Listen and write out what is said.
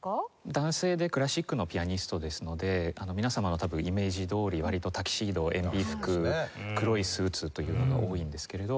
男性でクラシックのピアニストですので皆様の多分イメージどおり割とタキシード燕尾服黒いスーツというのが多いんですけれど。